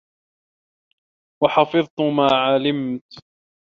وَحَفِظْت مَا عَلِمْت